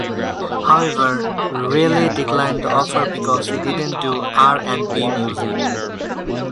However, Riley declined the offer because he didn't do R and B music.